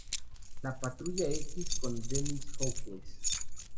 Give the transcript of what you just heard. La Patrulla X" con Dennis Hopeless.